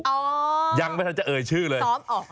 อ๋อสอบอ๋ออยู่ยังไม่ทันจะเอ่ยชื่อเลย